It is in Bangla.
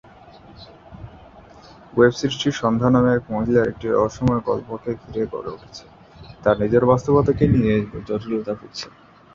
ওয়েব সিরিজটি সন্ধ্যা নামে এক মহিলার একটি রহস্যময় গল্পকে ঘিরে গড়ে উঠেছে, তার নিজের বাস্তবতাকে নিয়ে জটিলতায় ভুগছেন।